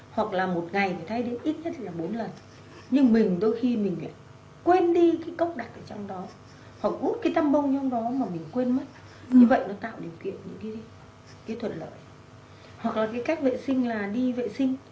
hoặc là cái cách vệ sinh là đi vệ sinh